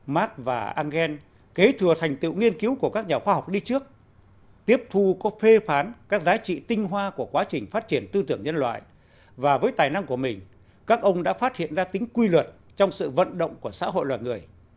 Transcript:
mart và engel kế thừa thành tựu nghiên cứu của các nhà khoa học đi trước tiếp thu có phê phán các giá trị tinh hoa của quá trình phát triển tư tưởng nhân loại và với tài năng của mình các ông đã phát hiện ra tính quy luật trong sự vận động của xã hội loài người